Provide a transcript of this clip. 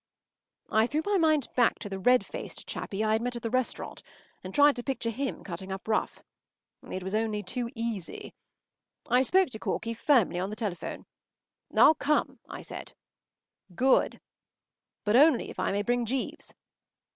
” I threw my mind back to the red faced chappie I had met at the restaurant, and tried to picture him cutting up rough. It was only too easy. I spoke to Corky firmly on the telephone. “I’ll come,” I said. “Good!” “But only if I may bring Jeeves!